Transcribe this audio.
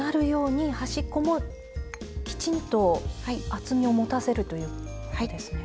端っこもきちんと厚みを持たせるということですね。